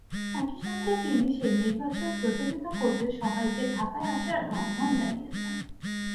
একই সঙ্গে তিনি সেই নির্বাচন প্রতিহত করতে সবাইকে ঢাকায় আসার আহ্বান জানিয়েছেন।